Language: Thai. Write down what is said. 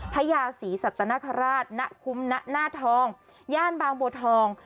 พญาศรีสัตนคราชณคุ้มณหน้าทองย่านบางบัวทอง